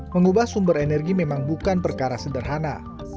mengubah sumber energi memang bukan perkara sederhana